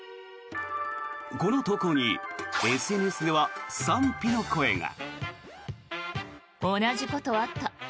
この投稿にＳＮＳでは賛否の声が。